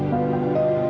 tantu tunggu aja